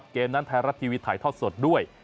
เกมนั้นไทยรัฐทีวีถ่ายทอดสดด้วย